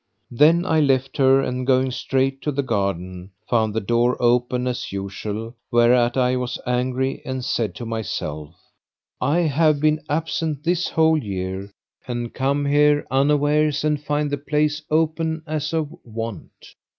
Then I left her and going straight to the garden, found the door open as usual; where at I was angry and said to myself, "I have been absent this whole year and come here unawares and find the place open as of wont!